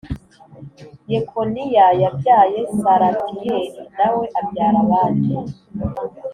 yekoniya yabyaye salatiyeli nawe abyara abandi